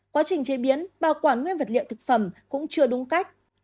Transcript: quá trình chế biến bảo quản nguyên vật liệu thực phẩm cũng chưa đúng cách